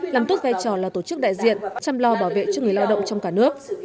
làm tốt vai trò là tổ chức đại diện chăm lo bảo vệ cho người lao động trong cả nước